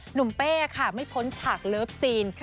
เป้ค่ะไม่พ้นฉากเลิฟซีน